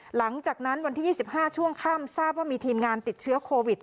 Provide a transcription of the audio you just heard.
หลังจากนั้นวันที่๒๕ช่วงค่ำทราบว่ามีทีมงานติดเชื้อโควิด